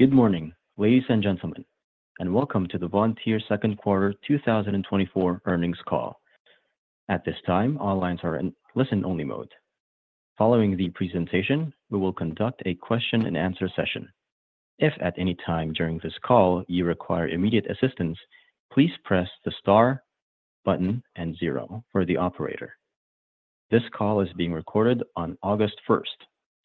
Good morning, ladies and gentlemen, and welcome to the Vontier second quarter 2024 earnings call. At this time, all lines are in listen-only mode. Following the presentation, we will conduct a question-and-answer session. If at any time during this call you require immediate assistance, please press the star button and zero for the operator. This call is being recorded on August 1,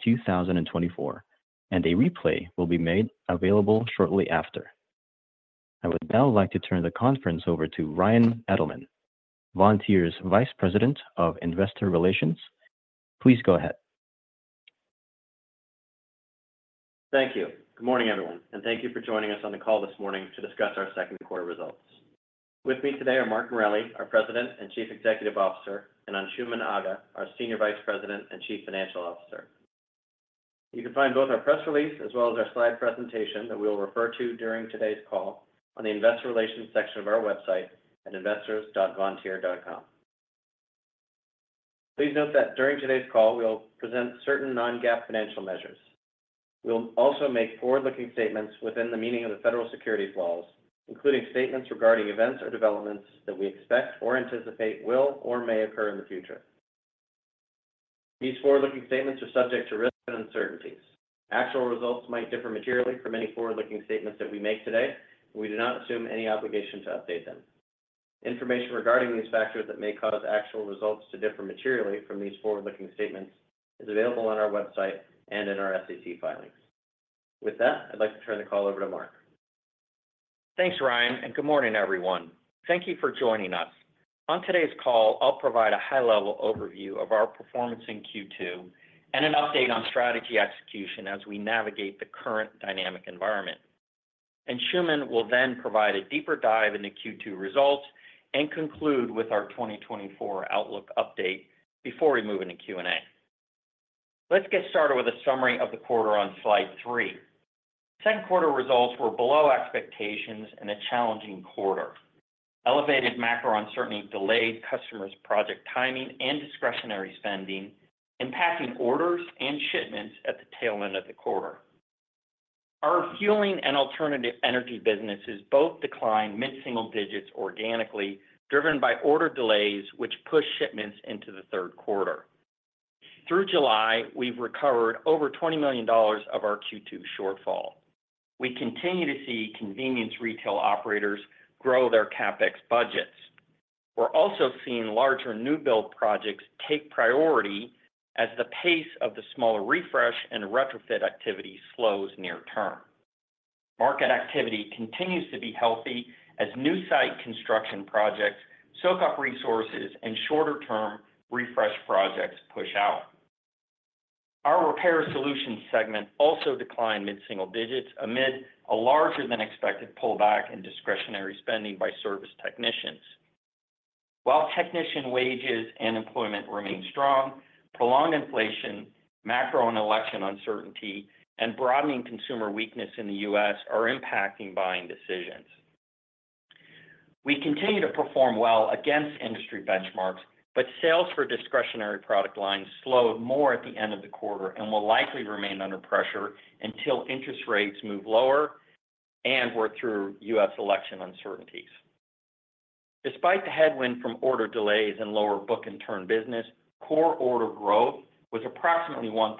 2024, and a replay will be made available shortly after. I would now like to turn the conference over to Ryan Edelman, Vontier's Vice President of Investor Relations. Please go ahead. Thank you. Good morning, everyone, and thank you for joining us on the call this morning to discuss our second quarter results. With me today are Mark Morelli, our President and Chief Executive Officer, and Anshooman Aga, our Senior Vice President and Chief Financial Officer. You can find both our press release as well as our slide presentation that we'll refer to during today's call on the investor relations section of our website at investors.vontier.com. Please note that during today's call, we'll present certain non-GAAP financial measures. We'll also make forward-looking statements within the meaning of the federal securities laws, including statements regarding events or developments that we expect or anticipate will or may occur in the future. These forward-looking statements are subject to risks and uncertainties. Actual results might differ materially from any forward-looking statements that we make today, and we do not assume any obligation to update them. Information regarding these factors that may cause actual results to differ materially from these forward-looking statements is available on our website and in our SEC filings. With that, I'd like to turn the call over to Mark. Thanks, Ryan, and good morning, everyone. Thank you for joining us. On today's call, I'll provide a high-level overview of our performance in Q2 and an update on strategy execution as we navigate the current dynamic environment. Anshooman will then provide a deeper dive into Q2 results and conclude with our 2024 outlook update before we move into Q&A. Let's get started with a summary of the quarter on slide 3. Second quarter results were below expectations in a challenging quarter. Elevated macro uncertainty delayed customers' project timing and discretionary spending, impacting orders and shipments at the tail end of the quarter. Our fueling and alternative energy businesses both declined mid-single digits organically, driven by order delays, which pushed shipments into the third quarter. Through July, we've recovered over $20 million of our Q2 shortfall. We continue to see convenience retail operators grow their CapEx budgets. We're also seeing larger new build projects take priority as the pace of the smaller refresh and retrofit activity slows near term. Market activity continues to be healthy as new site construction projects soak up resources and shorter-term refresh projects push out. Our Repair Solutions segment also declined mid-single digits amid a larger than expected pullback in discretionary spending by service technicians. While technician wages and employment remain strong, prolonged inflation, macro and election uncertainty, and broadening consumer weakness in the U.S. are impacting buying decisions. We continue to perform well against industry benchmarks, but sales for discretionary product lines slowed more at the end of the quarter and will likely remain under pressure until interest rates move lower and work through U.S. election uncertainties. Despite the headwind from order delays and lower book-and-turn business, core order growth was approximately 1%,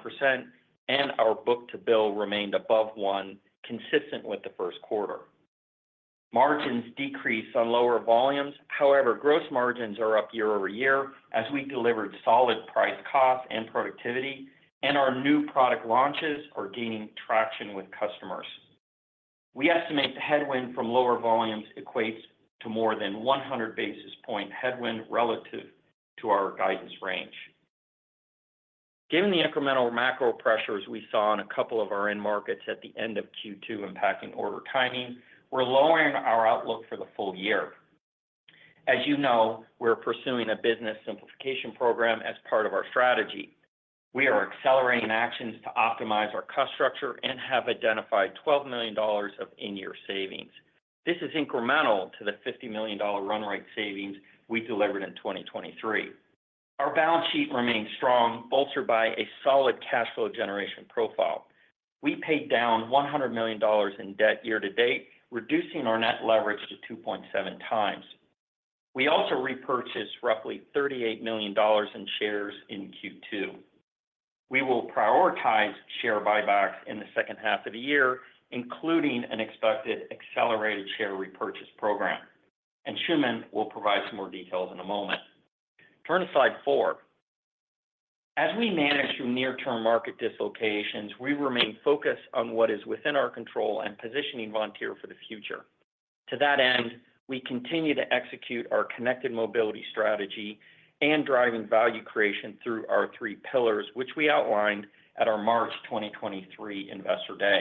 and our book-to-bill remained above 1, consistent with the first quarter. Margins decreased on lower volumes. However, gross margins are up year-over-year as we delivered solid price, cost, and productivity, and our new product launches are gaining traction with customers. We estimate the headwind from lower volumes equates to more than 100 basis points headwind relative to our guidance range. Given the incremental macro pressures we saw in a couple of our end markets at the end of Q2 impacting order timing, we're lowering our outlook for the full year. As you know, we're pursuing a business simplification program as part of our strategy. We are accelerating actions to optimize our cost structure and have identified $12 million of in-year savings. This is incremental to the $50 million run rate savings we delivered in 2023. Our balance sheet remains strong, bolstered by a solid cash flow generation profile. We paid down $100 million in debt year to date, reducing our net leverage to 2.7x. We also repurchased roughly $38 million in shares in Q2. We will prioritize share buybacks in the second half of the year, including an expected accelerated share repurchase program, and Anshooman will provide some more details in a moment. Turn to slide 4. As we manage through near-term market dislocations, we remain focused on what is within our control and positioning Vontier for the future. To that end, we continue to execute our Connected Mobility strategy and driving value creation through our three pillars, which we outlined at our March 2023 Investor Day.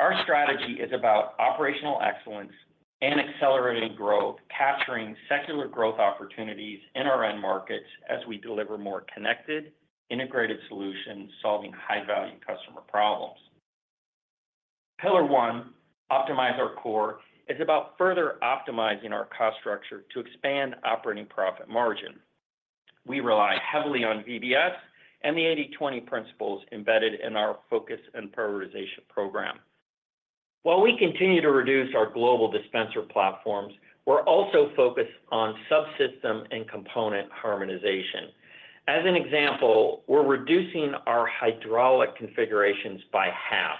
Our strategy is about operational excellence and accelerating growth, capturing secular growth opportunities in our end markets as we deliver more connected, integrated solutions, solving high-value customer problems. Pillar one, optimize our core, is about further optimizing our cost structure to expand operating profit margin. We rely heavily on VBS and the 80/20 principles embedded in our focus and prioritization program. While we continue to reduce our global dispenser platforms, we're also focused on subsystem and component harmonization. As an example, we're reducing our hydraulic configurations by half.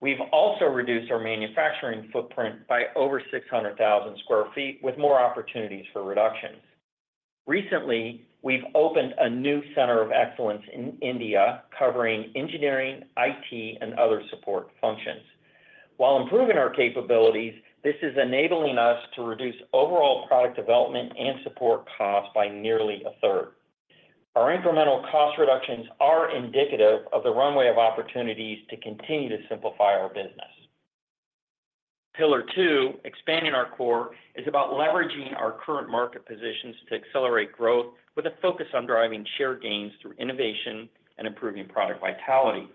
We've also reduced our manufacturing footprint by over 600,000 sq ft, with more opportunities for reductions. Recently, we've opened a new center of excellence in India, covering engineering, IT, and other support functions. While improving our capabilities, this is enabling us to reduce overall product development and support costs by nearly a third. Our incremental cost reductions are indicative of the runway of opportunities to continue to simplify our business. Pillar two, expanding our core, is about leveraging our current market positions to accelerate growth with a focus on driving share gains through innovation and improving product vitality.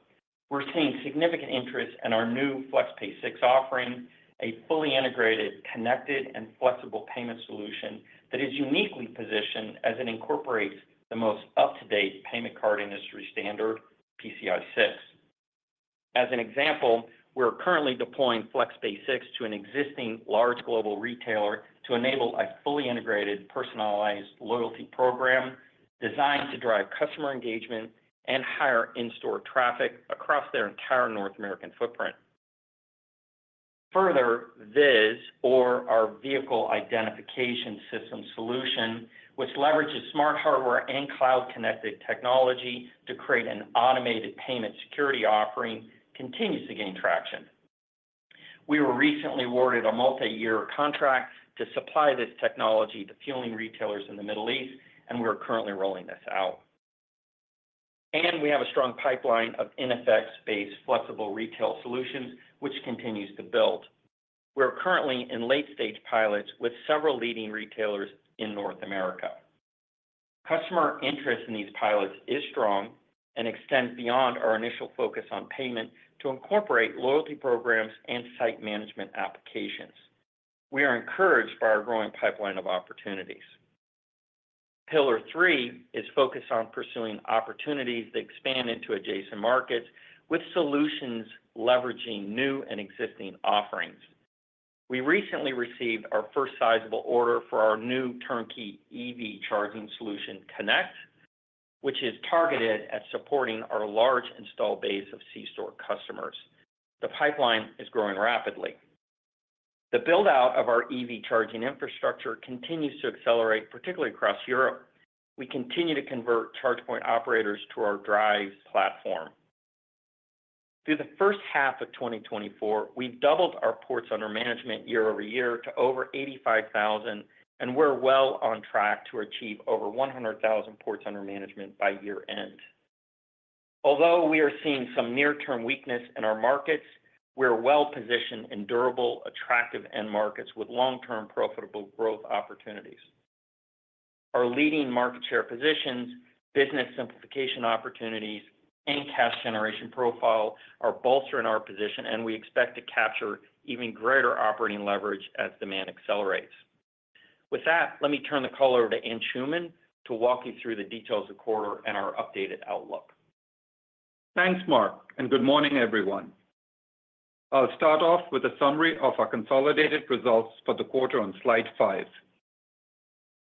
We're seeing significant interest in our new FlexPay 6 offering, a fully integrated, connected, and flexible payment solution that is uniquely positioned as it incorporates the most up-to-date payment card industry standard, PCI 6. As an example, we're currently deploying FlexPay 6 to an existing large global retailer to enable a fully integrated, personalized loyalty program designed to drive customer engagement and higher in-store traffic across their entire North American footprint. Further, VIS, or our vehicle identification system solution, which leverages smart hardware and cloud-connected technology to create an automated payment security offering, continues to gain traction. We were recently awarded a multi-year contract to supply this technology to fueling retailers in the Middle East, and we are currently rolling this out. We have a strong pipeline of iNFX-based flexible retail solutions, which continues to build. We're currently in late-stage pilots with several leading retailers in North America. Customer interest in these pilots is strong and extends beyond our initial focus on payment to incorporate loyalty programs and site management applications. We are encouraged by our growing pipeline of opportunities. Pillar three is focused on pursuing opportunities that expand into adjacent markets with solutions leveraging new and existing offerings. We recently received our first sizable order for our new turnkey EV charging solution, Konect, which is targeted at supporting our large installed base of C-store customers. The pipeline is growing rapidly. The build-out of our EV charging infrastructure continues to accelerate, particularly across Europe. We continue to convert charge point operators to our Driivz platform. Through the first half of 2024, we've doubled our ports under management year-over-year to over 85,000, and we're well on track to achieve over 100,000 ports under management by year-end. Although we are seeing some near-term weakness in our markets, we're well positioned in durable, attractive end markets with long-term profitable growth opportunities. Our leading market share positions, business simplification opportunities, and cash generation profile are bolstering our position, and we expect to capture even greater operating leverage as demand accelerates. With that, let me turn the call over to Anshooman Aga to walk you through the details of the quarter and our updated outlook. Thanks, Mark, and good morning, everyone. I'll start off with a summary of our consolidated results for the quarter on slide 5.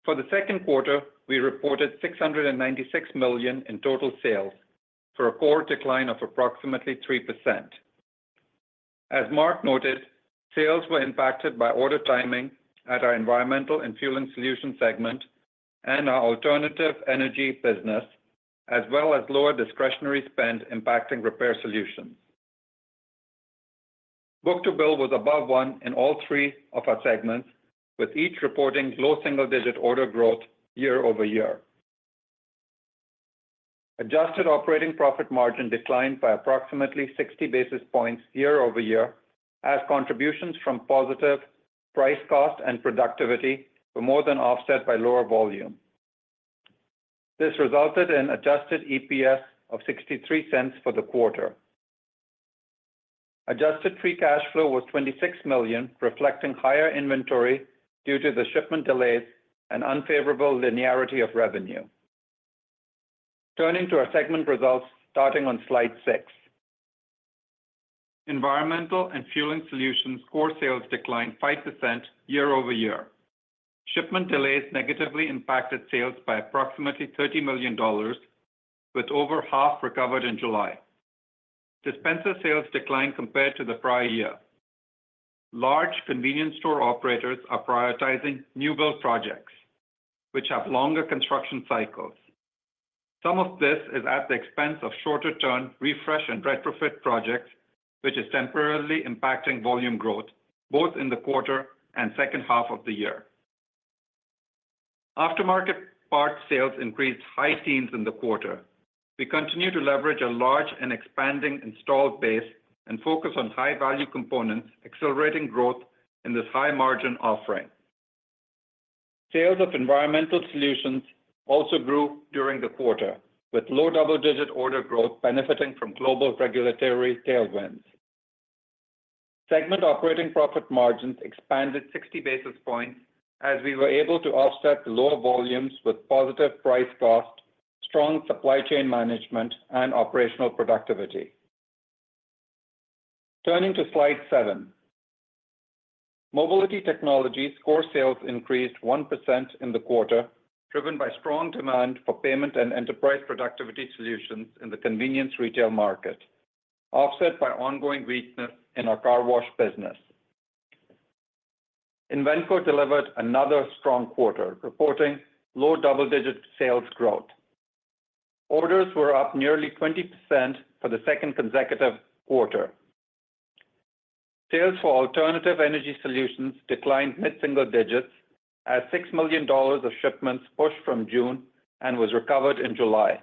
For the second quarter, we reported $696 million in total sales, for a core decline of approximately 3%. As Mark noted, sales were impacted by order timing at our Environmental and Fueling Solutions segment and our alternative energy business, as well as lower discretionary spend impacting Repair Solutions. Book-to-bill was above 1 in all three of our segments, with each reporting low single-digit order growth year-over-year. Adjusted operating profit margin declined by approximately 60 basis points year-over-year, as contributions from positive price, cost, and productivity were more than offset by lower volume. This resulted in adjusted EPS of $0.63 for the quarter. Adjusted free cash flow was $26 million, reflecting higher inventory due to the shipment delays and unfavorable linearity of revenue. Turning to our segment results, starting on slide 6. Environmental and Fueling Solutions core sales declined 5% year-over-year. Shipment delays negatively impacted sales by approximately $30 million, with over half recovered in July. Dispenser sales declined compared to the prior year. Large convenience store operators are prioritizing new build projects, which have longer construction cycles. Some of this is at the expense of shorter-term refresh and retrofit projects, which is temporarily impacting volume growth both in the quarter and second half of the year. Aftermarket parts sales increased high teens in the quarter. We continue to leverage a large and expanding installed base and focus on high-value components, accelerating growth in this high-margin offering. Sales of environmental solutions also grew during the quarter, with low double-digit order growth benefiting from global regulatory tailwinds. Segment operating profit margins expanded 60 basis points, as we were able to offset lower volumes with positive price cost, strong supply chain management, and operational productivity. Turning to slide seven. Mobility Technologies core sales increased 1% in the quarter, driven by strong demand for payment and enterprise productivity solutions in the convenience retail market, offset by ongoing weakness in our car wash business. Invenco delivered another strong quarter, reporting low double-digit sales growth. Orders were up nearly 20% for the second consecutive quarter. Sales for alternative energy solutions declined mid-single digits, as $6 million of shipments pushed from June and was recovered in July.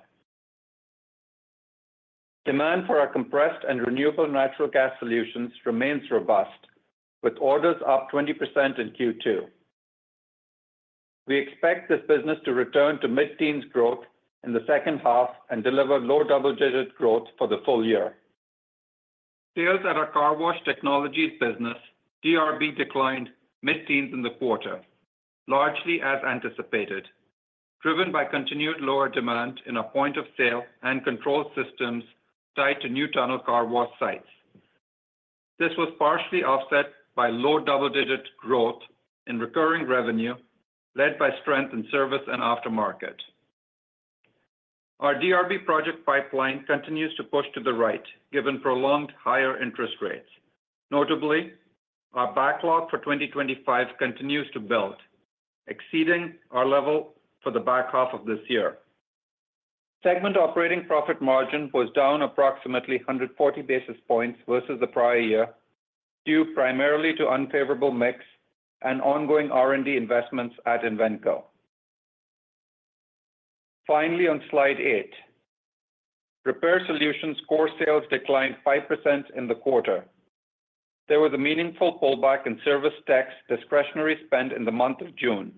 Demand for our compressed and renewable natural gas solutions remains robust, with orders up 20% in Q2. We expect this business to return to mid-teens growth in the second half and deliver low double-digit growth for the full year. Sales at our car wash technologies business, DRB, declined mid-teens in the quarter, largely as anticipated, driven by continued lower demand in our point-of-sale and control systems tied to new tunnel car wash sites. This was partially offset by low double-digit growth in recurring revenue, led by strength in service and aftermarket. Our DRB project pipeline continues to push to the right, given prolonged higher interest rates. Notably, our backlog for 2025 continues to build, exceeding our level for the back half of this year. Segment operating profit margin was down approximately 140 basis points versus the prior year, due primarily to unfavorable mix and ongoing R&D investments at Invenco. Finally, on Slide 8. Repair Solutions core sales declined 5% in the quarter. There was a meaningful pullback in service techs discretionary spend in the month of June.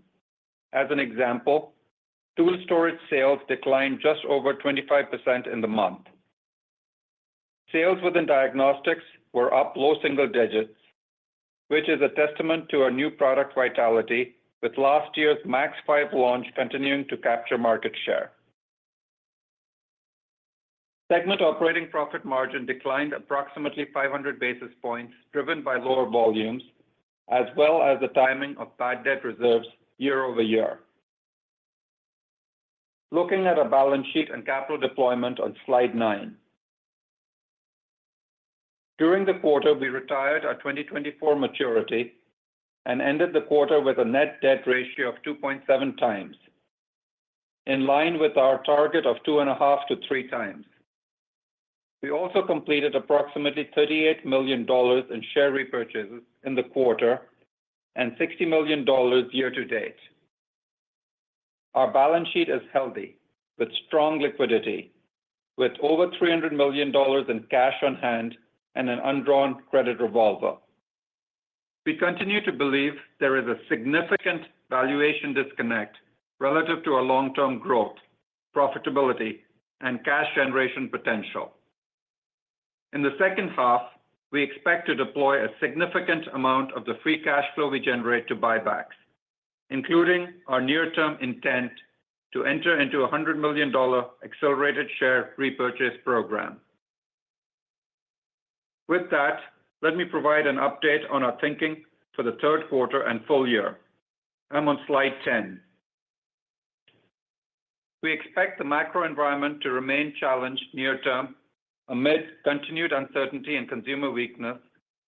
As an example, tool storage sales declined just over 25% in the month. Sales within diagnostics were up low single digits, which is a testament to our new product vitality, with last year's Max 5 launch continuing to capture market share. Segment operating profit margin declined approximately 500 basis points, driven by lower volumes, as well as the timing of bad debt reserves year-over-year. Looking at our balance sheet and capital deployment on slide 9. During the quarter, we retired our 2024 maturity and ended the quarter with a net debt ratio of 2.7 times, in line with our target of 2.5-3 times. We also completed approximately $38 million in share repurchases in the quarter and $60 million year to date. Our balance sheet is healthy, with strong liquidity, with over $300 million in cash on hand and an undrawn credit revolver. We continue to believe there is a significant valuation disconnect relative to our long-term growth, profitability, and cash generation potential. In the second half, we expect to deploy a significant amount of the free cash flow we generate to buybacks, including our near-term intent to enter into a $100 million accelerated share repurchase program. With that, let me provide an update on our thinking for the third quarter and full year. I'm on slide 10. We expect the macro environment to remain challenged near term amid continued uncertainty and consumer weakness,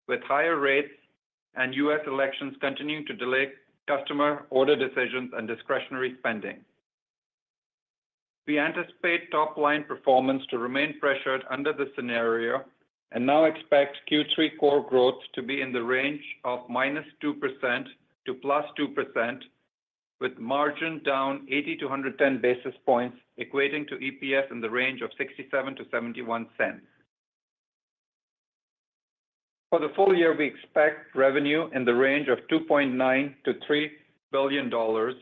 with higher rates and U.S. elections continuing to delay customer order decisions and discretionary spending. We anticipate top-line performance to remain pressured under this scenario and now expect Q3 core growth to be in the range of -2% to +2%, with margin down 80 to 110 basis points, equating to EPS in the range of $0.67-$0.71. For the full year, we expect revenue in the range of $2.9 billion-$3 billion,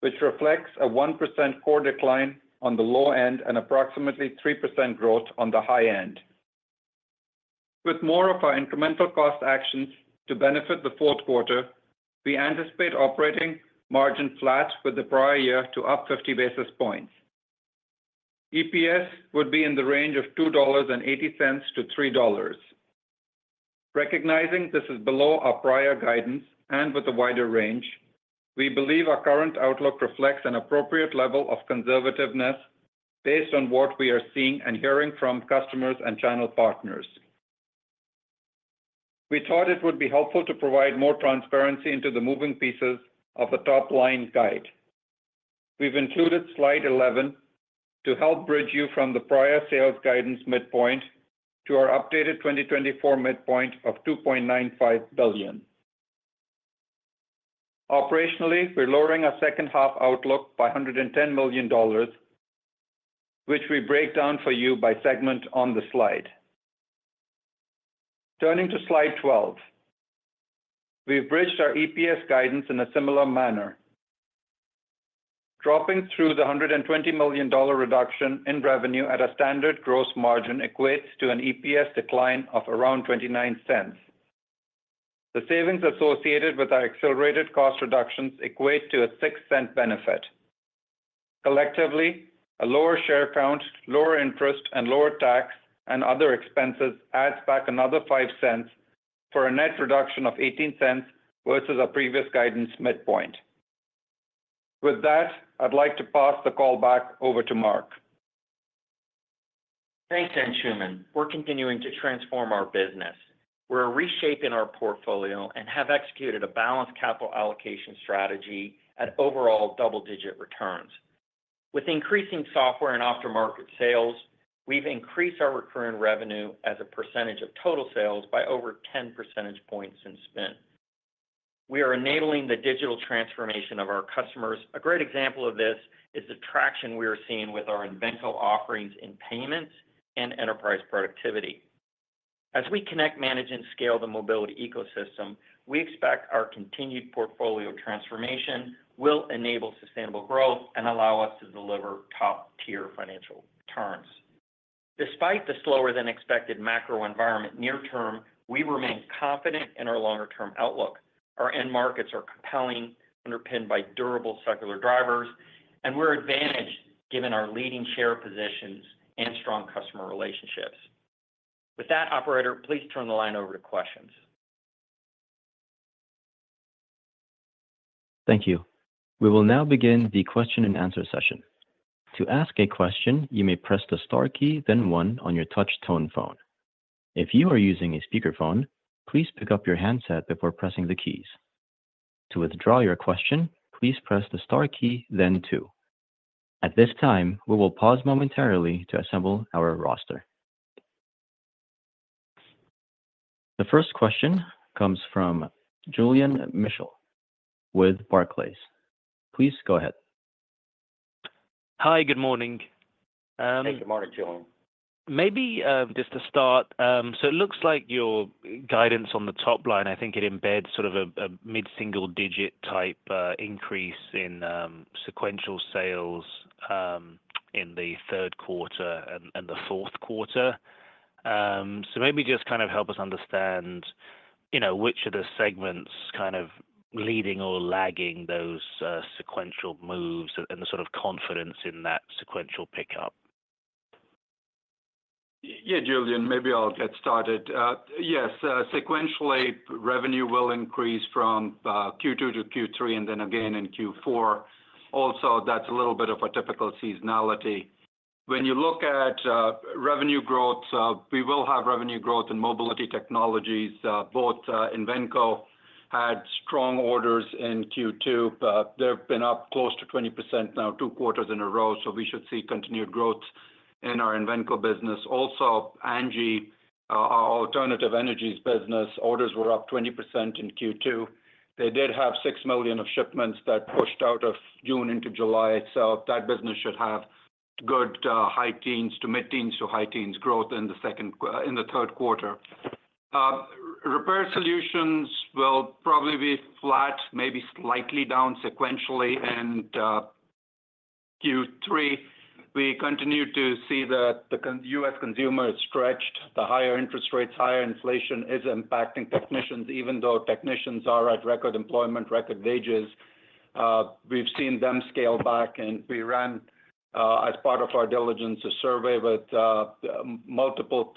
which reflects a 1% core decline on the low end and approximately 3% growth on the high end. With more of our incremental cost actions to benefit the fourth quarter, we anticipate operating margin flat with the prior year to up 50 basis points. EPS would be in the range of $2.80-$3.00. Recognizing this is below our prior guidance and with a wider range, we believe our current outlook reflects an appropriate level of conservativeness based on what we are seeing and hearing from customers and channel partners. We thought it would be helpful to provide more transparency into the moving pieces of the top-line guide. We've included slide 11 to help bridge you from the prior sales guidance midpoint to our updated 2024 midpoint of $2.95 billion. Operationally, we're lowering our second half outlook by $110 million, which we break down for you by segment on the slide. Turning to slide 12. We've bridged our EPS guidance in a similar manner... dropping through the $120 million reduction in revenue at a standard gross margin equates to an EPS decline of around $0.29. The savings associated with our accelerated cost reductions equate to a $0.06 benefit. Collectively, a lower share count, lower interest, and lower tax and other expenses adds back another $0.05 for a net reduction of $0.18 versus our previous guidance midpoint. With that, I'd like to pass the call back over to Mark. Thanks, Anshooman. We're continuing to transform our business. We're reshaping our portfolio and have executed a balanced capital allocation strategy at overall double-digit returns. With increasing software and aftermarket sales, we've increased our recurring revenue as a percentage of total sales by over 10 percentage points since spin. We are enabling the digital transformation of our customers. A great example of this is the traction we are seeing with our Invenco offerings in payments and enterprise productivity. As we connect, manage, and scale the mobility ecosystem, we expect our continued portfolio transformation will enable sustainable growth and allow us to deliver top-tier financial returns. Despite the slower-than-expected macro environment near term, we remain confident in our longer-term outlook. Our end markets are compelling, underpinned by durable secular drivers, and we're advantaged given our leading share positions and strong customer relationships. With that, operator, please turn the line over to questions. Thank you. We will now begin the question-and-answer session. To ask a question, you may press the star key, then one on your touch tone phone. If you are using a speakerphone, please pick up your handset before pressing the keys. To withdraw your question, please press the star key, then two. At this time, we will pause momentarily to assemble our roster. The first question comes from Julian Mitchell with Barclays. Please go ahead. Hi, good morning. Hey, good morning, Julian. Maybe, just to start, so it looks like your guidance on the top line, I think it embeds sort of a, a mid-single-digit type, increase in, sequential sales, in the third quarter and, and the fourth quarter. So maybe just kind of help us understand, you know, which of the segments kind of leading or lagging those, sequential moves and the sort of confidence in that sequential pickup. Yeah, Julian, maybe I'll get started. Yes, sequentially, revenue will increase from Q2 to Q3, and then again in Q4. Also, that's a little bit of a typical seasonality. When you look at revenue growth, we will have revenue growth in Mobility Technologies. Both, Invenco had strong orders in Q2, but they've been up close to 20% now, two quarters in a row, so we should see continued growth in our Invenco business. Also, ANGI, our alternative energies business, orders were up 20% in Q2. They did have $6 million of shipments that pushed out of June into July. So that business should have good high teens to mid-teens to high teens growth in the third quarter. Repair Solutions will probably be flat, maybe slightly down sequentially in Q3. We continue to see that the US consumer is stretched. The higher interest rates, higher inflation is impacting technicians, even though technicians are at record employment, record wages. We've seen them scale back, and we ran, as part of our diligence, a survey with multiple,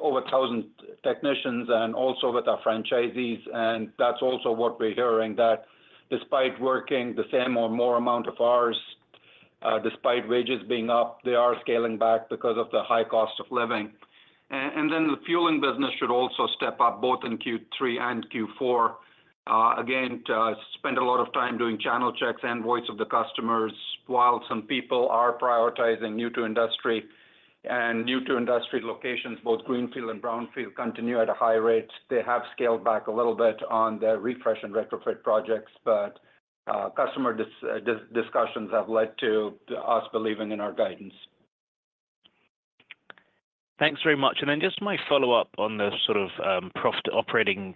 over 1,000 technicians and also with our franchisees, and that's also what we're hearing, that despite working the same or more amount of hours, despite wages being up, they are scaling back because of the high cost of living. And then the fueling business should also step up both in Q3 and Q4. Again, to spend a lot of time doing channel checks and voice of the customers. While some people are prioritizing new-to-industry and new-to-industry locations, both greenfield and brownfield continue at a high rate. They have scaled back a little bit on their refresh and retrofit projects, but customer discussions have led to us believing in our guidance. Thanks very much. Then just my follow-up on the sort of, operating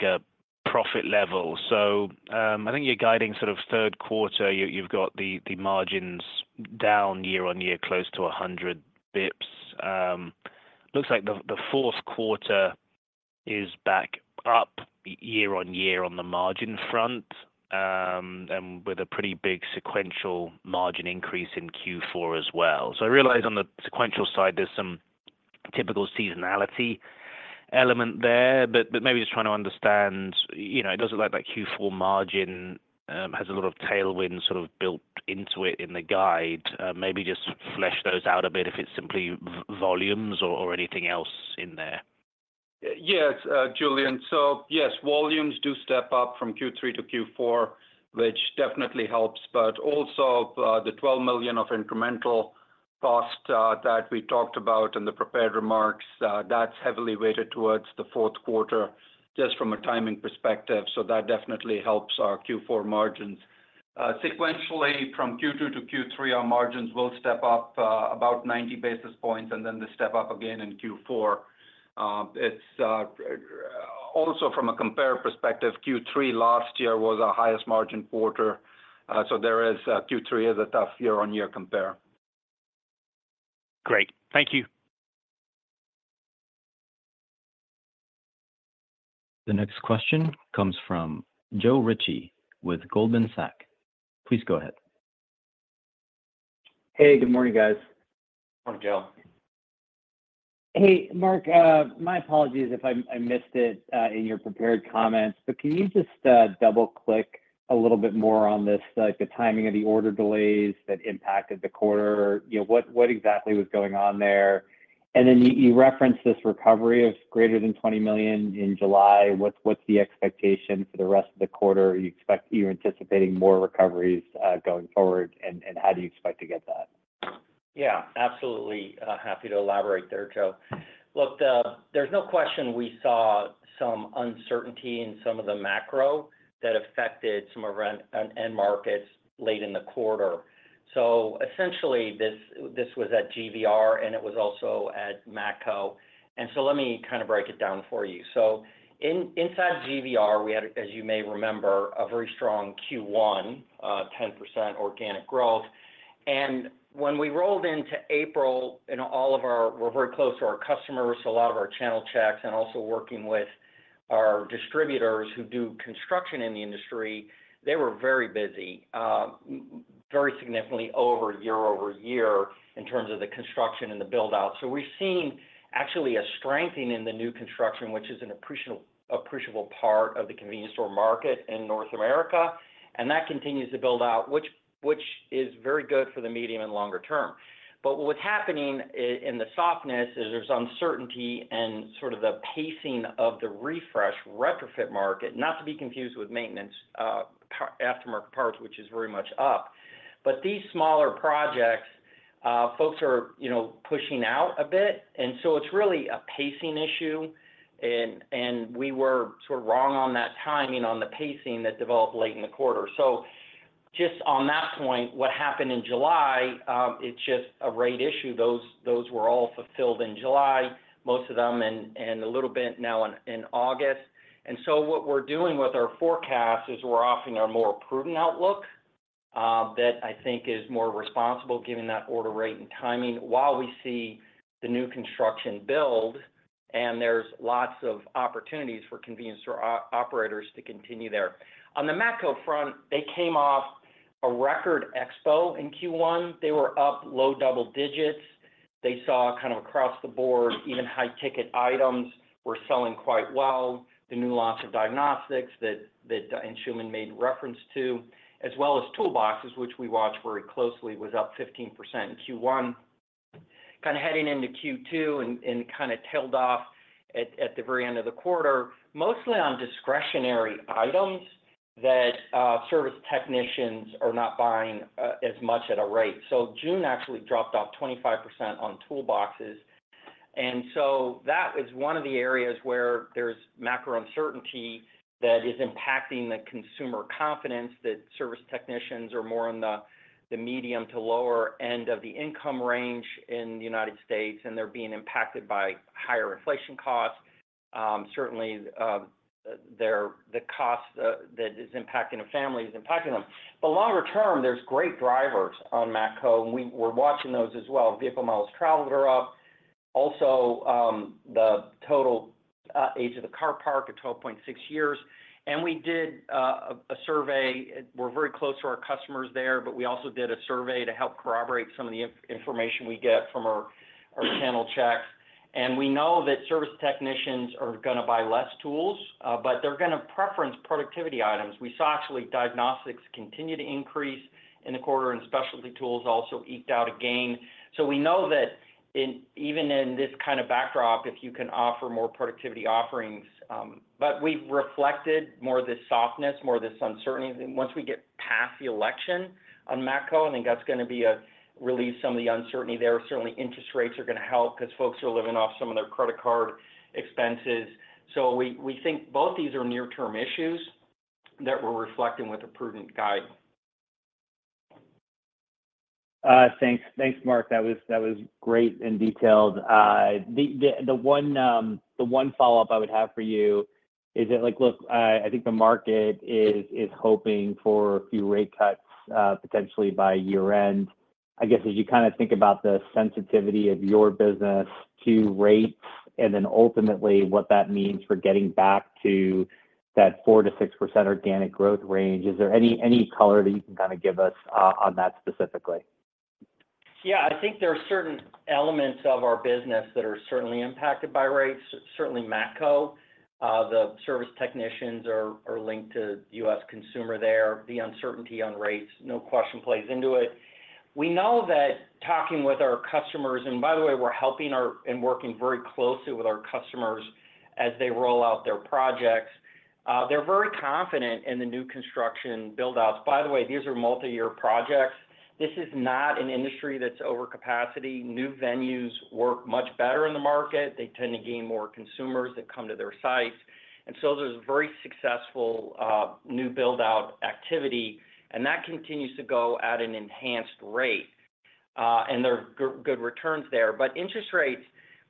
profit level. So, I think you're guiding sort of third quarter, you've got the margins down year-on-year, close to 100 basis points. Looks like the fourth quarter is back up year-on-year on the margin front, and with a pretty big sequential margin increase in Q4 as well. So I realize on the sequential side, there's some typical seasonality element there, but maybe just trying to understand, you know, it does look like that Q4 margin has a lot of tailwind sort of built into it in the guide. Maybe just flesh those out a bit, if it's simply volumes or anything else in there. Yes, Julian. So yes, volumes do step up from Q3 to Q4, which definitely helps, but also, the $12 million of incremental cost that we talked about in the prepared remarks, that's heavily weighted towards the fourth quarter, just from a timing perspective, so that definitely helps our Q4 margins. Sequentially, from Q2 to Q3, our margins will step up about 90 basis points, and then they step up again in Q4. Also from a compare perspective, Q3 last year was our highest margin quarter. So there is, Q3 is a tough year-on-year compare. Great. Thank you. The next question comes from Joe Ritchie with Goldman Sachs. Please go ahead. Hey, good morning, guys. Morning, Joe. Hey, Mark, my apologies if I missed it in your prepared comments, but can you just double-click a little bit more on this, like, the timing of the order delays that impacted the quarter? You know, what exactly was going on there? And then you referenced this recovery of greater than $20 million in July. What's the expectation for the rest of the quarter? You expect—you're anticipating more recoveries going forward, and how do you expect to get that? Yeah, absolutely, happy to elaborate there, Joe. Look, there's no question we saw some uncertainty in some of the macro that affected some of our end markets late in the quarter. So essentially, this was at GVR, and it was also at Matco. And so let me kinda break it down for you. So inside GVR, we had, as you may remember, a very strong Q1, 10% organic growth. And when we rolled into April, and all of our... We're very close to our customers, so a lot of our channel checks and also working with our distributors who do construction in the industry, they were very busy, very significantly over year-over-year in terms of the construction and the build-out. So we've seen actually a strengthening in the new construction, which is an appreciable, appreciable part of the convenience store market in North America, and that continues to build out, which is very good for the medium and longer term. But what's happening in the softness is there's uncertainty and sort of the pacing of the refresh retrofit market, not to be confused with maintenance, aftermarket parts, which is very much up. But these smaller projects, folks are, you know, pushing out a bit, and so it's really a pacing issue. And we were sort of wrong on that timing on the pacing that developed late in the quarter. So just on that point, what happened in July, it's just a rate issue. Those were all fulfilled in July, most of them, and a little bit now in August. So what we're doing with our forecast is we're offering our more prudent outlook that I think is more responsible, given that order rate and timing, while we see the new construction build, and there's lots of opportunities for convenience store operators to continue there. On the Matco front, they came off a record expo in Q1. They were up low double digits. They saw kind of across the board, even high-ticket items were selling quite well. The new lots of diagnostics that and Anshooman made reference to, as well as toolboxes, which we watch very closely, was up 15% in Q1. Kinda heading into Q2 and kinda tailed off at the very end of the quarter, mostly on discretionary items that service technicians are not buying as much at a rate. So June actually dropped off 25% on toolboxes, and so that is one of the areas where there's macro uncertainty that is impacting the consumer confidence, that service technicians are more on the, the medium to lower end of the income range in the United States, and they're being impacted by higher inflation costs. Certainly, the cost that is impacting the family is impacting them. But longer term, there's great drivers on Matco, and we're watching those as well. Vehicle miles traveled are up, also, the total age of the car park at 12.6 years. And we did a survey. We're very close to our customers there, but we also did a survey to help corroborate some of the information we get from our channel checks. We know that service technicians are gonna buy less tools, but they're gonna preference productivity items. We saw actually diagnostics continue to increase in the quarter, and specialty tools also eked out a gain. So we know that even in this kind of backdrop, if you can offer more productivity offerings. But we've reflected more of this softness, more of this uncertainty. Once we get past the election on Matco, I think that's gonna be a relief, some of the uncertainty there. Certainly, interest rates are gonna help 'cause folks are living off some of their credit card expenses. So we, we think both these are near-term issues that we're reflecting with a prudent guide. Thanks. Thanks, Mark. That was great and detailed. The one follow-up I would have for you is that, like, look, I think the market is hoping for a few rate cuts, potentially by year-end. I guess, as you kinda think about the sensitivity of your business to rates, and then ultimately, what that means for getting back to that 4%-6% organic growth range, is there any color that you can kinda give us on that specifically? Yeah, I think there are certain elements of our business that are certainly impacted by rates, certainly Matco. The service technicians are linked to the U.S. consumer there. The uncertainty on rates, no question plays into it. We know that talking with our customers, and by the way, we're helping our- and working very closely with our customers as they roll out their projects. They're very confident in the new construction build-out. By the way, these are multi-year projects. This is not an industry that's over capacity. New venues work much better in the market. They tend to gain more consumers that come to their sites. And so there's very successful new build-out activity, and that continues to go at an enhanced rate. And there are good returns there. But interest rates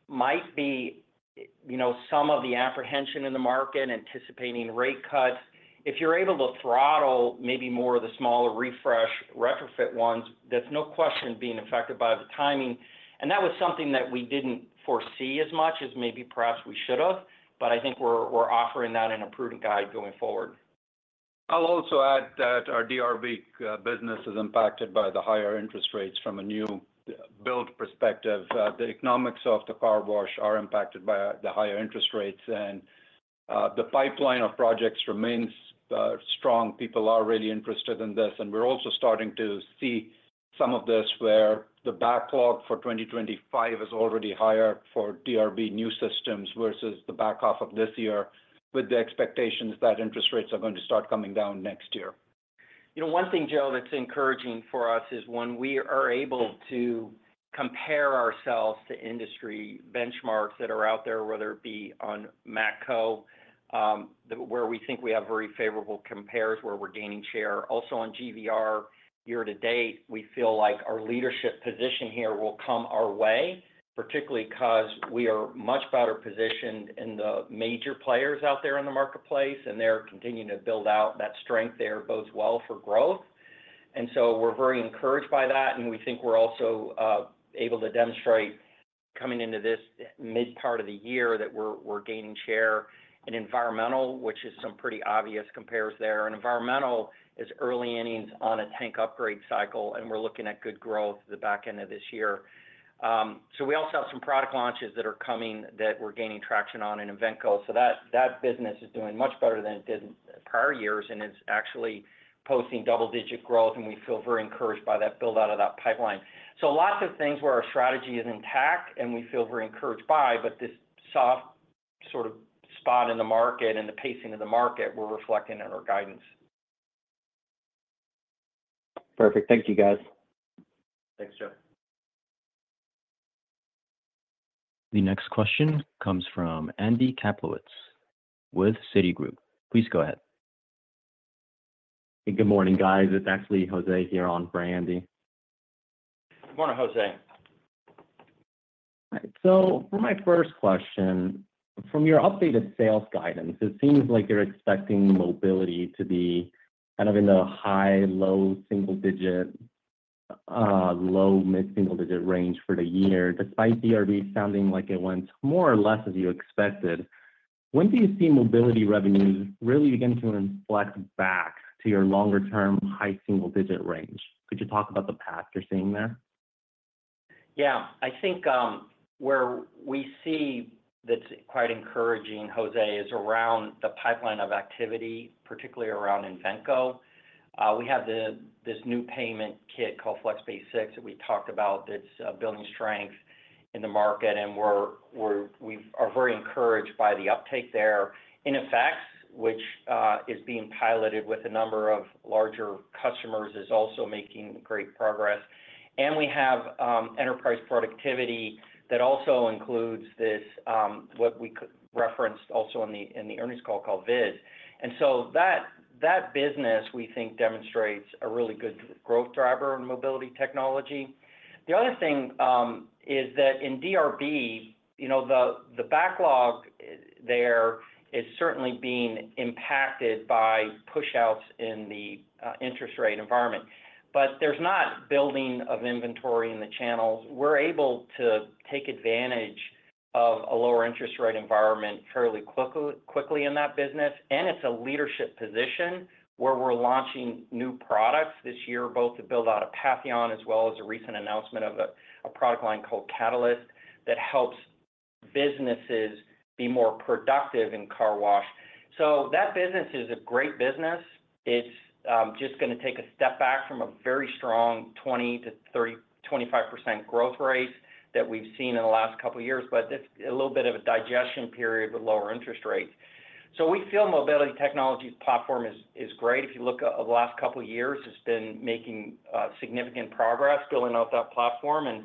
might be, you know, some of the apprehension in the market, anticipating rate cuts. If you're able to throttle maybe more of the smaller refresh retrofit ones, there's no question being affected by the timing, and that was something that we didn't foresee as much as maybe perhaps we should have, but I think we're, we're offering that in a prudent guide going forward. I'll also add that our DRB business is impacted by the higher interest rates from a new build perspective. The economics of the car wash are impacted by the higher interest rates, and the pipeline of projects remains strong. People are really interested in this, and we're also starting to see some of this where the backlog for 2025 is already higher for DRB new systems versus the back half of this year, with the expectations that interest rates are going to start coming down next year. You know, one thing, Joe, that's encouraging for us is when we are able to compare ourselves to industry benchmarks that are out there, whether it be on Matco, where we think we have very favorable compares, where we're gaining share. Also on GVR, year to date, we feel like our leadership position here will come our way, particularly 'cause we are much better positioned in the major players out there in the marketplace, and they're continuing to build out that strength there, bodes well for growth. And so we're very encouraged by that, and we think we're also able to demonstrate coming into this mid part of the year, that we're, we're gaining share in environmental, which is some pretty obvious compares there. And environmental is early innings on a tank upgrade cycle, and we're looking at good growth at the back end of this year. So we also have some product launches that are coming that we're gaining traction on in Invenco. So that business is doing much better than it did in prior years, and it's actually posting double-digit growth, and we feel very encouraged by that build-out of that pipeline. So lots of things where our strategy is intact and we feel very encouraged by, but this soft sort of spot in the market and the pacing of the market, we're reflecting in our guidance. Perfect. Thank you, guys. Thanks, Joe. The next question comes from Andy Kaplowitz with Citigroup. Please go ahead. Hey, good morning, guys. It's actually Jose here on for Andy. Good morning, Jose. Hi. So for my first question, from your updated sales guidance, it seems like you're expecting mobility to be kind of in the high, low, single digit, low, mid single digit range for the year, despite DRB sounding like it went more or less as you expected. When do you see mobility revenues really begin to inflect back to your longer term high single digit range? Could you talk about the path you're seeing there? Yeah. I think where we see that's quite encouraging, Jose, is around the pipeline of activity, particularly around Invenco. We have this new payment kit called FlexPay 6, that we talked about. It's building strength in the market, and we are very encouraged by the uptake there. iNFX, which is being piloted with a number of larger customers, is also making great progress. And we have enterprise productivity that also includes this, what we could reference also in the earnings call, called VIS. And so that business, we think, demonstrates a really good growth driver in mobility technology. The other thing is that in DRB, you know, the backlog there is certainly being impacted by pushouts in the interest rate environment, but there's not building of inventory in the channels. We're able to take advantage of a lower interest rate environment fairly quickly in that business, and it's a leadership position where we're launching new products this year, both to build out Patheon as well as a recent announcement of a, a product line called Catalyst, that helps businesses be more productive in car wash. So that business is a great business. It's just gonna take a step back from a very strong 25% growth rate that we've seen in the last couple of years, but it's a little bit of a digestion period with lower interest rates. So we feel Mobility Technologies platform is, is great. If you look at the last couple of years, it's been making significant progress building out that platform, and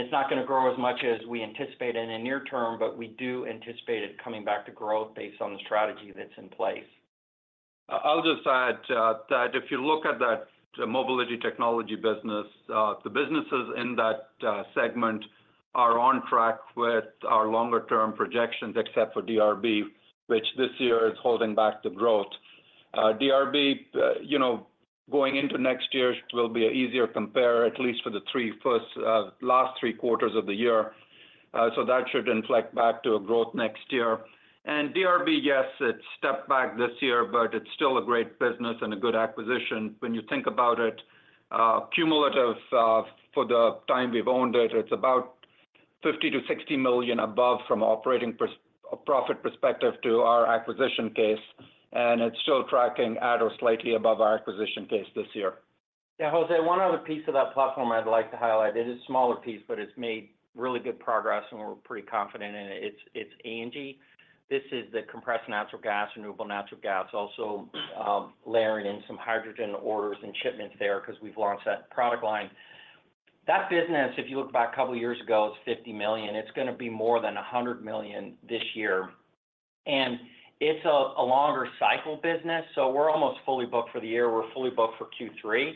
it's not gonna grow as much as we anticipate in the near term, but we do anticipate it coming back to growth based on the strategy that's in place. I'll just add that if you look at that mobility technology business, the businesses in that segment are on track with our longer term projections, except for DRB, which this year is holding back the growth. DRB, you know, going into next year will be an easier compare, at least for the three first, last three quarters of the year. So that should inflect back to a growth next year. And DRB, yes, it stepped back this year, but it's still a great business and a good acquisition. When you think about it, cumulative, for the time we've owned it, it's about $50 million-$60 million above from operating a profit perspective to our acquisition case, and it's still tracking at or slightly above our acquisition case this year. Yeah, Jose, one other piece of that platform I'd like to highlight. It is a smaller piece, but it's made really good progress, and we're pretty confident in it. It's, it's ANGI. This is the compressed natural gas, renewable natural gas, also, layering in some hydrogen orders and shipments there because we've launched that product line. That business, if you look back a couple of years ago, is $50 million. It's gonna be more than $100 million this year...and it's a, a longer cycle business, so we're almost fully booked for the year. We're fully booked for Q3,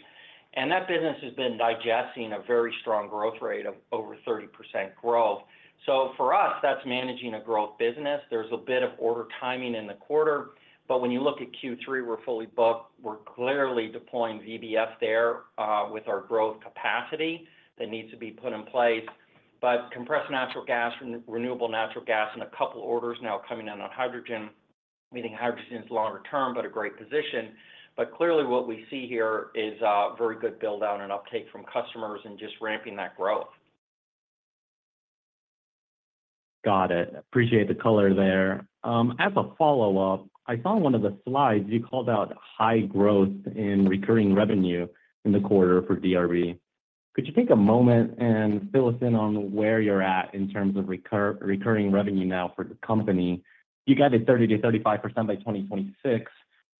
and that business has been digesting a very strong growth rate of over 30% growth. So for us, that's managing a growth business. There's a bit of order timing in the quarter, but when you look at Q3, we're fully booked. We're clearly deploying VBS there, with our growth capacity that needs to be put in place. But compressed natural gas, renewable natural gas, and a couple orders now coming in on hydrogen, meaning hydrogen is longer term, but a great position. But clearly, what we see here is a very good build-out and uptake from customers and just ramping that growth. Got it. Appreciate the color there. As a follow-up, I saw in one of the slides you called out high growth in recurring revenue in the quarter for DRB. Could you take a moment and fill us in on where you're at in terms of recurring revenue now for the company? You guided 30%-35% by 2026.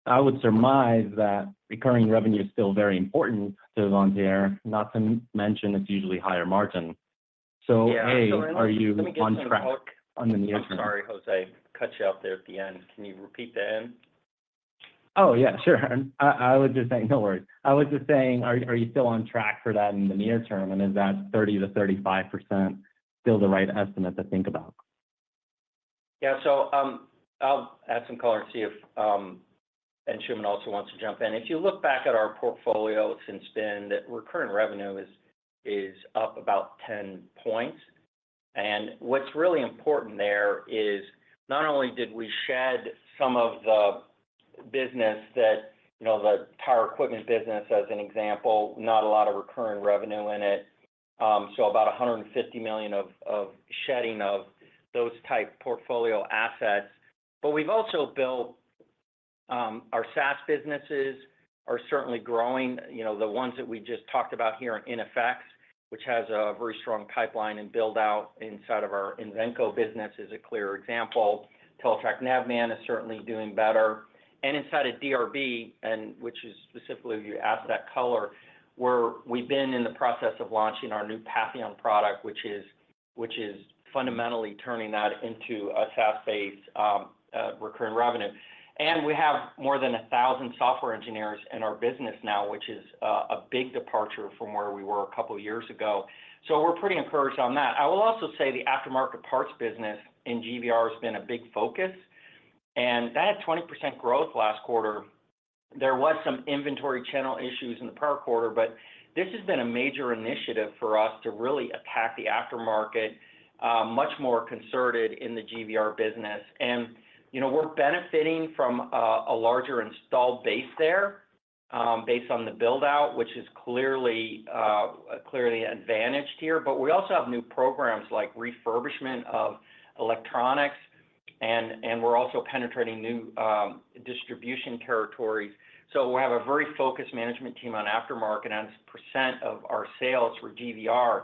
I would surmise that recurring revenue is still very important to Vontier, not to mention it's usually higher margin. So- Yeah. A, are you on track on the near term? I'm sorry, Jose, cut you out there at the end. Can you repeat the end? Oh, yeah, sure. I was just saying. No worries. I was just saying, are you still on track for that in the near term, and is that 30%-35% still the right estimate to think about? Yeah. So, I'll add some color and see if Anshooman also wants to jump in. If you look back at our portfolio since then, the recurring revenue is up about 10 points. And what's really important there is not only did we shed some of the business that, you know, the power equipment business, as an example, not a lot of recurring revenue in it. So about $150 million of shedding of those type portfolio assets. But we've also built our SaaS businesses are certainly growing. You know, the ones that we just talked about here in iNFX, which has a very strong pipeline and build-out inside of our Invenco business, is a clear example. Teletrac Navman is certainly doing better. And inside of DRB, which is specifically, if you ask that color, we've been in the process of launching our new Patheon product, which is fundamentally turning that into a SaaS-based recurring revenue. And we have more than 1,000 software engineers in our business now, which is a big departure from where we were a couple of years ago. So we're pretty encouraged on that. I will also say the aftermarket parts business in GVR has been a big focus, and that had 20% growth last quarter. There was some inventory channel issues in the prior quarter, but this has been a major initiative for us to really attack the aftermarket much more concerted in the GVR business. And, you know, we're benefiting from a larger installed base there, based on the build-out, which is clearly advantaged here. But we also have new programs like refurbishment of electronics, and we're also penetrating new distribution territories. So we have a very focused management team on aftermarket, and it's percent of our sales for GVR.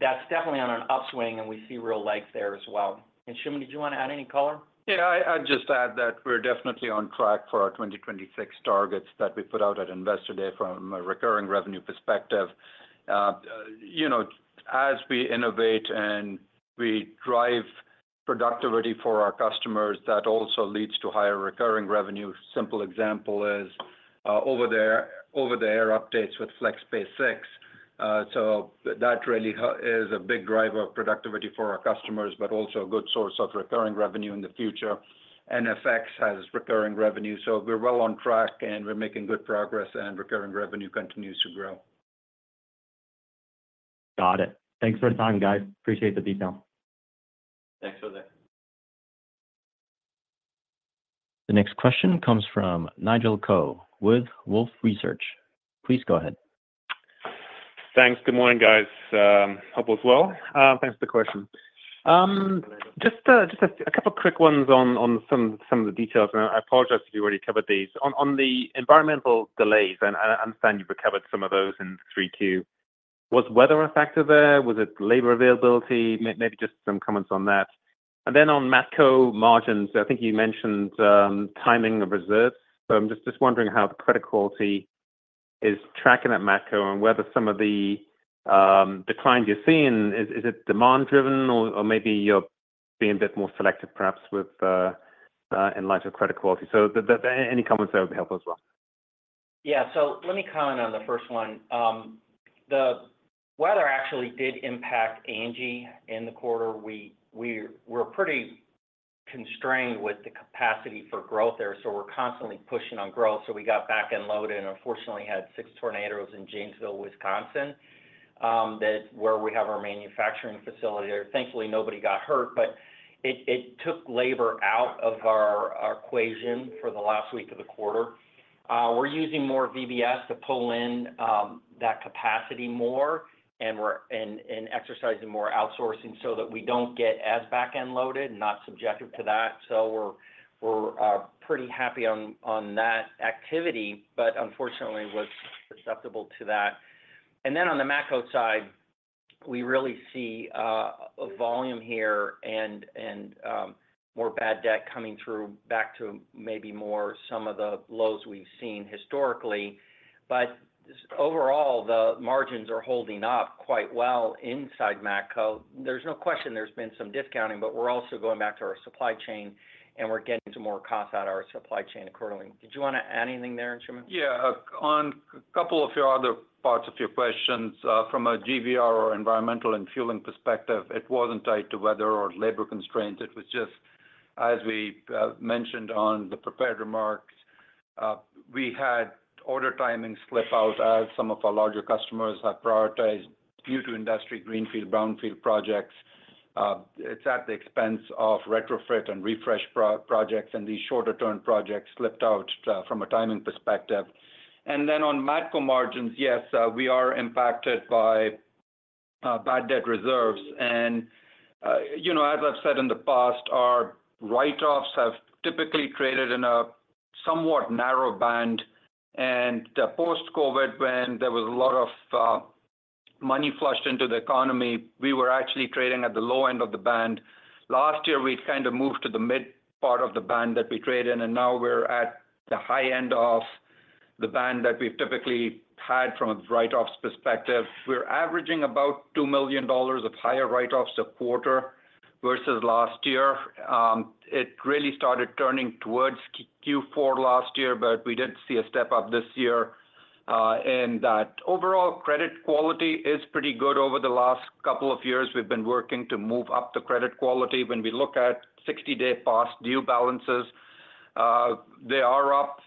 That's definitely on an upswing, and we see real life there as well. And Anshooman, did you want to add any color? Yeah, I'd just add that we're definitely on track for our 2026 targets that we put out at Investor Day from a recurring revenue perspective. You know, as we innovate and we drive productivity for our customers, that also leads to higher recurring revenue. Simple example is over-the-air updates with FlexPay 6. So that really is a big driver of productivity for our customers, but also a good source of recurring revenue in the future. iNFX has recurring revenue, so we're well on track, and we're making good progress, and recurring revenue continues to grow. Got it. Thanks for the time, guys. Appreciate the detail. Thanks for that. The next question comes from Nigel Coe with Wolfe Research. Please go ahead. Thanks. Good morning, guys. Hope all is well. Thanks for the question. Just a couple of quick ones on some of the details, and I apologize if you already covered these. On the environmental delays, and I understand you've recovered some of those in 3Q. Was weather a factor there? Was it labor availability? Maybe just some comments on that. And then on Matco margins, I think you mentioned timing of reserves, but I'm just wondering how the credit quality is tracking at Matco and whether some of the declines you're seeing is it demand-driven, or maybe you're being a bit more selective, perhaps with in light of credit quality? So any comments there would be helpful as well. Yeah. So let me comment on the first one. The weather actually did impact ANGI in the quarter. We're pretty constrained with the capacity for growth there, so we're constantly pushing on growth. So we got back-end loaded, and unfortunately had six tornadoes in Janesville, Wisconsin, that where we have our manufacturing facility there. Thankfully, nobody got hurt, but it took labor out of our equation for the last week of the quarter. We're using more VBS to pull in that capacity more, and we're exercising more outsourcing so that we don't get as back-end loaded and not subject to that. So we're pretty happy on that activity, but unfortunately, was susceptible to that. And then on the Matco side- we really see a volume here and more bad debt coming through back to maybe more some of the lows we've seen historically. But just overall, the margins are holding up quite well inside Matco. There's no question there's been some discounting, but we're also going back to our supply chain, and we're getting to more cost out of our supply chain accordingly. Did you wanna add anything there, Anshooman? Yeah. On a couple of your other parts of your questions, from a GVR or environmental and fueling perspective, it wasn't tied to weather or labor constraints. It was just as we mentioned on the prepared remarks, we had order timing slip out as some of our larger customers have prioritized due to industry greenfield, brownfield projects. It's at the expense of retrofit and refresh projects, and these shorter-term projects slipped out from a timing perspective. And then on Matco margins, yes, we are impacted by bad debt reserves. And, you know, as I've said in the past, our write-offs have typically created in a somewhat narrow band. And, post-COVID, when there was a lot of money flushed into the economy, we were actually trading at the low end of the band. Last year, we kind of moved to the mid part of the band that we trade in, and now we're at the high end of the band that we've typically had from a write-offs perspective. We're averaging about $2 million of higher write-offs a quarter versus last year. It really started turning towards Q4 last year, but we did see a step up this year, and that overall credit quality is pretty good. Over the last couple of years, we've been working to move up the credit quality. When we look at 60-day past due balances, they are up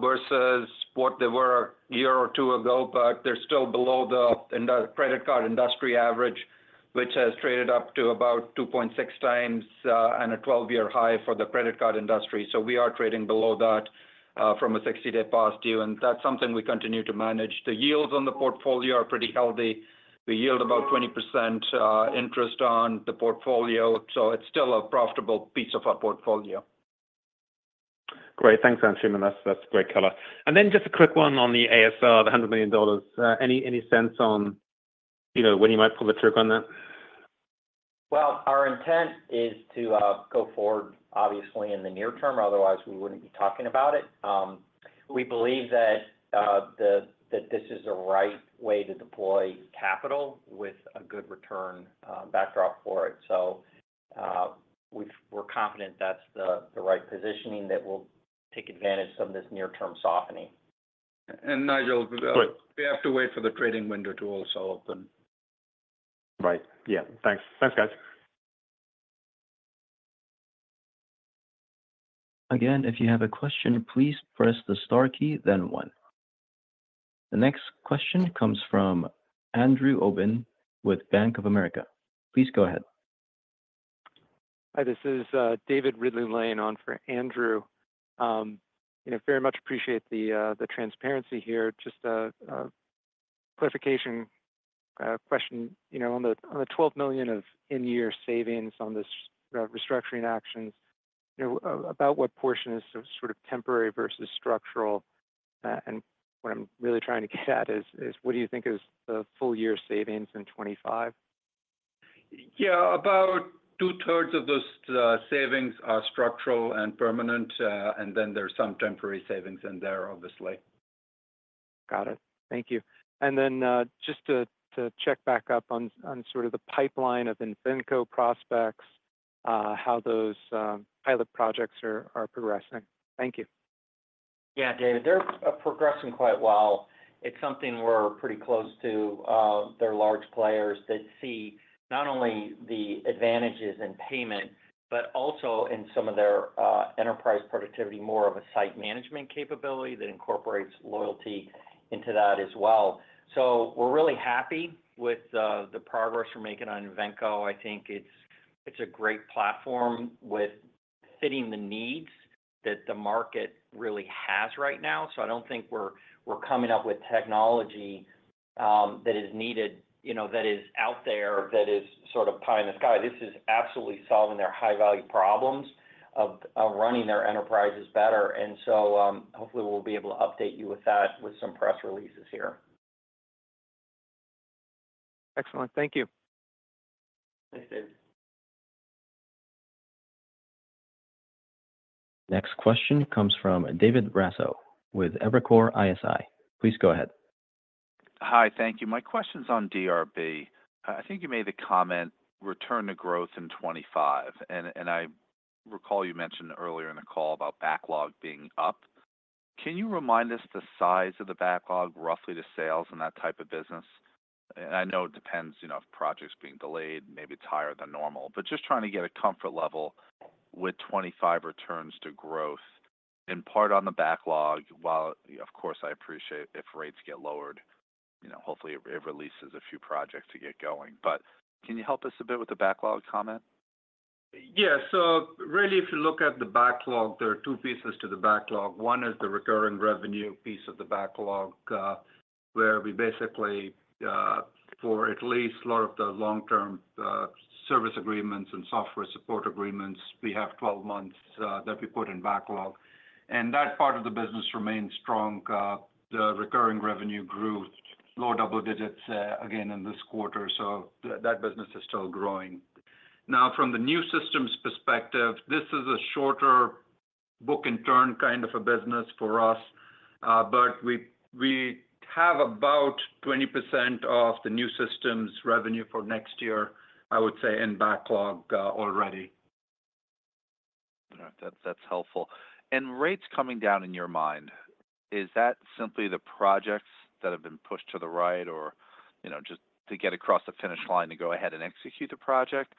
versus what they were a year or two ago, but they're still below the credit card industry average, which has traded up to about 2.6 times, and a 12-year high for the credit card industry. So we are trading below that from a 60-day past due, and that's something we continue to manage. The yields on the portfolio are pretty healthy. We yield about 20%, interest on the portfolio, so it's still a profitable piece of our portfolio. Great. Thanks, Anshooman. That's, that's great color. And then just a quick one on the ASR, the $100 million. Any sense on, you know, when you might pull the trigger on that? Well, our intent is to go forward, obviously, in the near term, otherwise we wouldn't be talking about it. We believe that this is the right way to deploy capital with a good return backdrop for it. So, we're confident that's the right positioning that will take advantage of this near-term softening. And Nigel? Go ahead. We have to wait for the trading window to also open. Right. Yeah. Thanks. Thanks, guys. Again, if you have a question, please press the star key, then one. The next question comes from Andrew Obin with Bank of America. Please go ahead. Hi, this is, David Ridley-Lane for Andrew Obin. You know, very much appreciate the, the transparency here. Just a clarification question. You know, on the $12 million of in-year savings on this, restructuring actions, you know, about what portion is sort of temporary versus structural? And what I'm really trying to get at is, what do you think is the full year savings in 2025? Yeah. About 2/3 of those savings are structural and permanent, and then there's some temporary savings in there, obviously. Got it. Thank you. And then, just to check back up on sort of the pipeline of Invenco prospects, how those pilot projects are progressing. Thank you. Yeah, David, they're progressing quite well. It's something we're pretty close to. They're large players that see not only the advantages in payment, but also in some of their enterprise productivity, more of a site management capability that incorporates loyalty into that as well. So we're really happy with the progress we're making on Invenco. I think it's a great platform with fitting the needs that the market really has right now. So I don't think we're coming up with technology that is needed, you know, that is out there, that is sort of pie in the sky. This is absolutely solving their high-value problems of running their enterprises better. And so, hopefully, we'll be able to update you with that with some press releases here. Excellent. Thank you. Thanks, David. Next question comes from David Raso with Evercore ISI. Please go ahead. Hi, thank you. My question's on DRB. I think you made the comment, return to growth in 2025, and, and I recall you mentioned earlier in the call about backlog being up. Can you remind us the size of the backlog, roughly the sales in that type of business? And I know it depends, you know, if projects being delayed, maybe it's higher than normal, but just trying to get a comfort level with 2025 returns to growth, in part on the backlog while, of course, I appreciate if rates get lowered, you know, hopefully it, it releases a few projects to get going. But can you help us a bit with the backlog comment? Yeah. So really, if you look at the backlog, there are two pieces to the backlog. One is the recurring revenue piece of the backlog, where we basically, for at least a lot of the long-term service agreements and software support agreements, we have 12 months that we put in backlog, and that part of the business remains strong. The recurring revenue grew low double digits again in this quarter, so that business is still growing. Now, from the new systems perspective, this is a shorter book-and-turn kind of a business for us, but we have about 20% of the new systems revenue for next year, I would say, in backlog already. All right. That's, that's helpful. And rates coming down, in your mind, is that simply the projects that have been pushed to the right, or, you know, just to get across the finish line to go ahead and execute the project?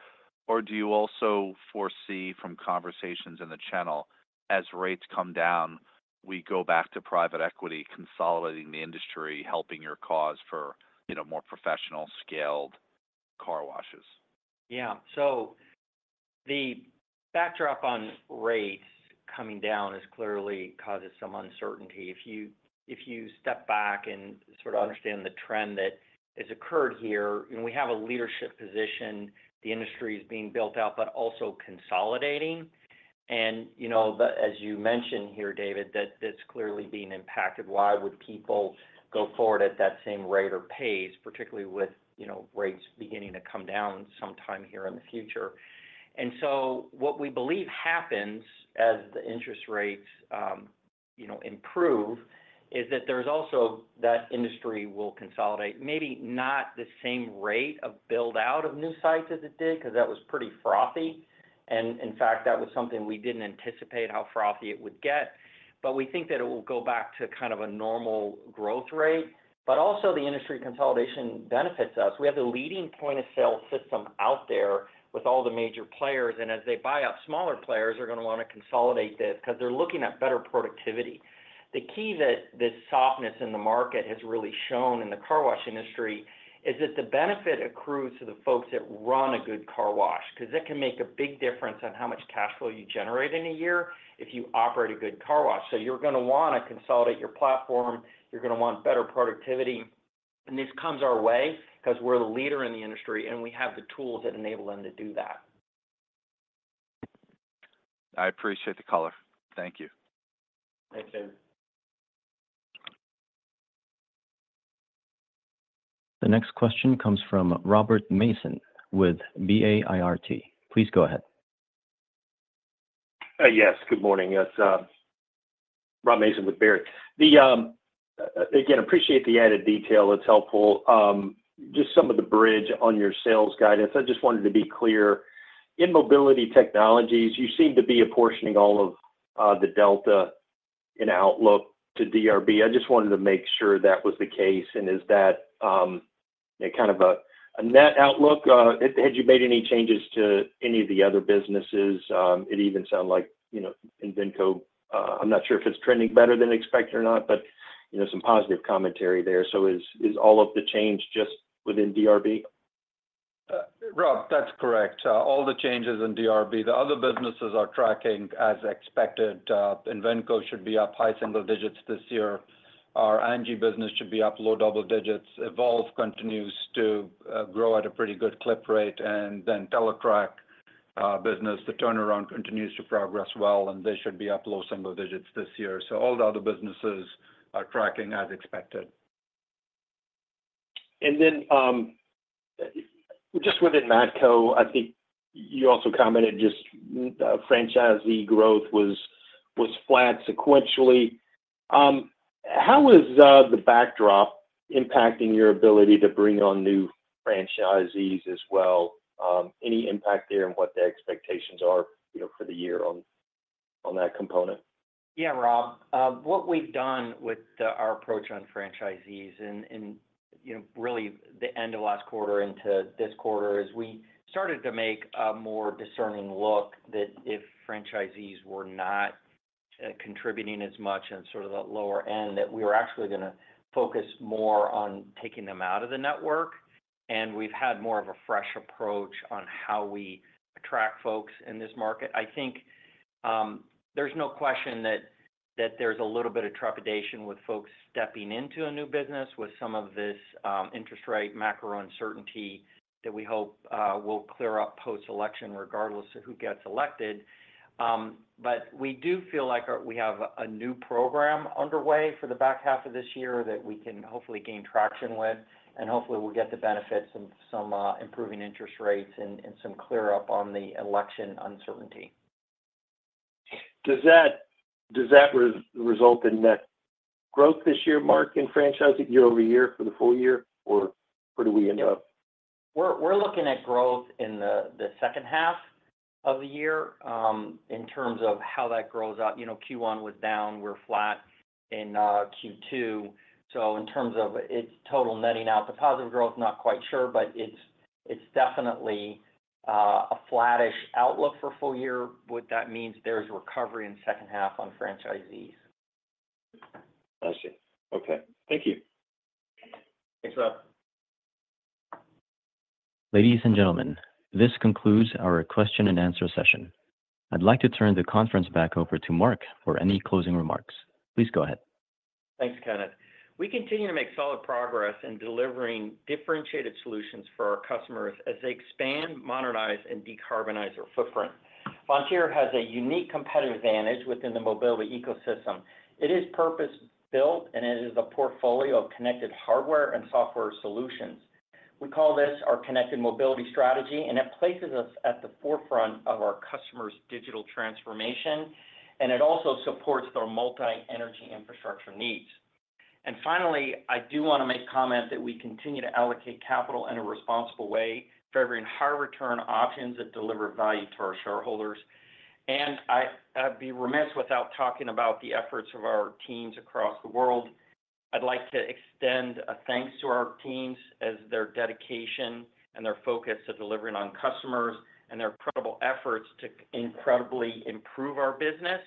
Or do you also foresee from conversations in the channel, as rates come down, we go back to private equity, consolidating the industry, helping your cause for, you know, more professional scaled car washes? Yeah. So the backdrop on rates coming down is clearly causes some uncertainty. If you, if you step back and sort of understand the trend that has occurred here, and we have a leadership position, the industry is being built out, but also consolidating. And, you know, the—as you mentioned here, David, that it's clearly being impacted, why would people go forward at that same rate or pace, particularly with, you know, rates beginning to come down sometime here in the future? And so what we believe happens as the interest rates, you know, improve, is that there's also... that industry will consolidate. Maybe not the same rate of build out of new sites as it did, 'cause that was pretty frothy. In fact, that was something we didn't anticipate how frothy it would get, but we think that it will go back to kind of a normal growth rate. Also, the industry consolidation benefits us. We have the leading point-of-sale system out there with all the major players, and as they buy out, smaller players are gonna wanna consolidate this 'cause they're looking at better productivity. The key that this softness in the market has really shown in the car wash industry, is that the benefit accrues to the folks that run a good car wash, 'cause it can make a big difference on how much cash flow you generate in a year if you operate a good car wash. You're gonna wanna consolidate your platform, you're gonna want better productivity, and this comes our way 'cause we're the leader in the industry, and we have the tools that enable them to do that. I appreciate the color. Thank you. Thanks, David. The next question comes from Robert Mason with Baird. Please go ahead. Yes, good morning. It's Rob Mason with Baird. Again, appreciate the added detail, it's helpful. Just some of the bridge on your sales guidance. I just wanted to be clear, in Mobility Technologies, you seem to be apportioning all of the delta in outlook to DRB. I just wanted to make sure that was the case, and is that a kind of a net outlook? Had you made any changes to any of the other businesses? It even sound like, you know, in Invenco, I'm not sure if it's trending better than expected or not, but, you know, some positive commentary there. So is all of the change just within DRB? Rob, that's correct. All the changes in DRB. The other businesses are tracking as expected. Invenco should be up high single digits this year. Our ANGI business should be up low double digits. EVolve continues to grow at a pretty good clip rate, and then Teletrac business, the turnaround continues to progress well, and they should be up low single digits this year. So all the other businesses are tracking as expected. And then, just within Matco, I think you also commented just, franchisee growth was flat sequentially. How is the backdrop impacting your ability to bring on new franchisees as well? Any impact there and what the expectations are, you know, for the year on that component? Yeah, Rob. What we've done with our approach on franchisees and, and you know, really the end of last quarter into this quarter, is we started to make a more discerning look that if franchisees were not contributing as much in sort of the lower end, that we were actually gonna focus more on taking them out of the network. We've had more of a fresh approach on how we attract folks in this market. I think there's no question that there's a little bit of trepidation with folks stepping into a new business with some of this interest rate, macro uncertainty, that we hope will clear up post-election, regardless of who gets elected. We do feel like we have a new program underway for the back half of this year that we can hopefully gain traction with, and hopefully we'll get the benefits of some improving interest rates and some clear up on the election uncertainty. Does that, does that result in net growth this year, Mark, in franchising year-over-year for the full year, or where do we end up? We're looking at growth in the second half of the year. In terms of how that grows out, you know, Q1 was down, we're flat in Q2. So in terms of its total netting out, the positive growth, not quite sure, but it's definitely a flattish outlook for full year. What that means, there's recovery in second half on franchisees. I see. Okay. Thank you. Thanks, Rob. Ladies and gentlemen, this concludes our question and answer session. I'd like to turn the conference back over to Mark for any closing remarks. Please go ahead. Thanks, Kenneth. We continue to make solid progress in delivering differentiated solutions for our customers as they expand, modernize, and decarbonize their footprint. Vontier has a unique competitive advantage within the mobility ecosystem. It is purpose-built, and it is a portfolio of connected hardware and software solutions. We call this our Connected Mobility strategy, and it places us at the forefront of our customers' digital transformation, and it also supports their multi-energy infrastructure needs. Finally, I do wanna make comment that we continue to allocate capital in a responsible way, favoring high return options that deliver value to our shareholders. I, I'd be remiss without talking about the efforts of our teams across the world. I'd like to extend a thanks to our teams as their dedication and their focus on delivering on customers and their incredible efforts to incredibly improve our business,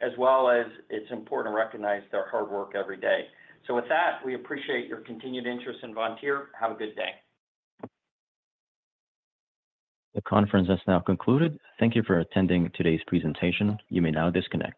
as well as it's important to recognize their hard work every day. With that, we appreciate your continued interest in Vontier. Have a good day. The conference has now concluded. Thank you for attending today's presentation. You may now disconnect.